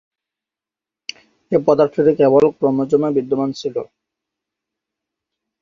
এই পদার্থটি কেবল ক্রোমোজোমে বিদ্যমান ছিল।